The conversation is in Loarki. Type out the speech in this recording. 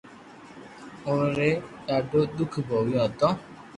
اووي ڌاڌو دوک ڀوگيو ھتو